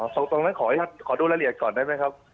ตรงนั้นขอดูรายละเอียดก่อนได้ไหมครับ